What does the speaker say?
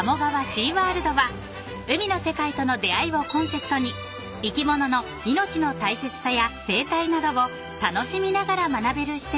シーワールドは「海の世界との出会い」をコンセプトに生き物の命の大切さや生態などを楽しみながら学べる施設です］